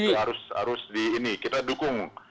itu harus di ini kita dukung